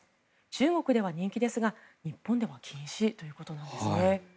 中国では人気ですが、日本では禁止ということなんですね。